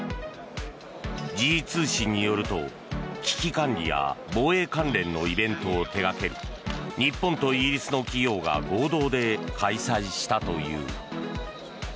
時事通信によると危機管理や防衛関連のイベントを手がける日本とイギリスの企業が合同で開催したという。